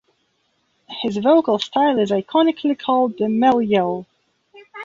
His vocal style is iconically called the Mel Yell.